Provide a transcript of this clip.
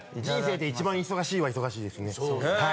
人生で一番忙しいは忙しいですね。